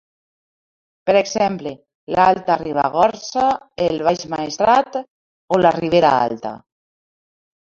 Per exemple: l'Alta Ribagorça, el Baix Maestrat o la Ribera Alta.